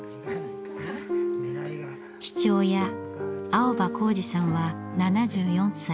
父親青葉幸次さんは７４歳。